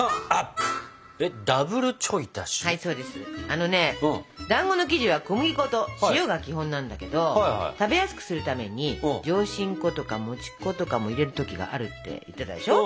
あのねだんごの生地は小麦粉と塩が基本なんだけど食べやすくするために上新粉とかもち粉とかも入れる時があるって言ってたでしょ？